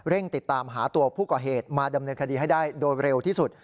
ติดตามหาตัวผู้ก่อเหตุมาดำเนินคดีให้ได้โดยเร็วที่สุด